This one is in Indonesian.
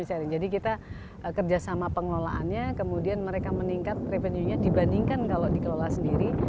revenue sharing jadi kita kerjasama pengelolaannya kemudian mereka meningkat revenuenya dibandingkan kalau dikelola sendiri